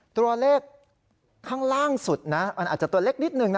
ตัวเลขข้างล่างสุดนะมันอาจจะตัวเล็กนิดนึงนะ